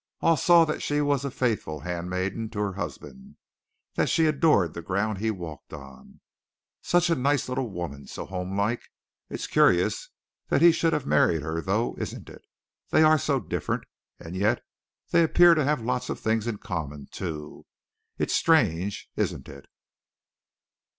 All saw that she was a faithful handmaiden to her husband, that she adored the ground he walked on. "Such a nice little woman so homelike. It's curious that he should have married her, though, isn't it? They are so different. And yet they appear to have lots of things in common, too. It's strange isn't it?"